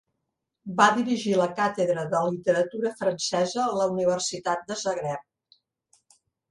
Va dirigir la Càtedra de Literatura Francesa a la Universitat de Zagreb.